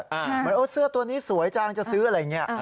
เหมือนเอาเสื้อตัวนี้สวยจังจะซื้ออะไรอย่างนี้